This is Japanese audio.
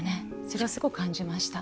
それはすごい感じました。